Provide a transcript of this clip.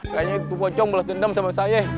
kayaknya itu pocong balas dendam sama saya